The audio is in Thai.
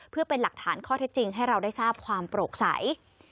เพื่อเป็นหลักฐานข้อเท็จจริงให้เราได้ทราบความโปร่งใส